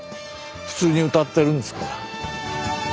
普通に歌ってるんですから。